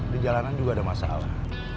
di jalanan juga ada masalah